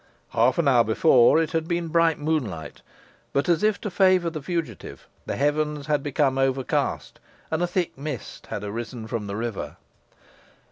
Half an hour before it had been bright moonlight, but, as if to favour the fugitive, the heavens had become overcast, and a thick mist had arisen from the river.